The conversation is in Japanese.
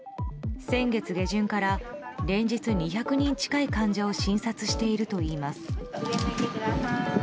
先月下旬から連日２００人近い患者を診察しているといいます。